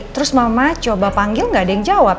terus mama coba panggil gak ada yang jawab